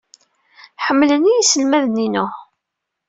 Ḥemmlen-iyi yiselmaden-inu.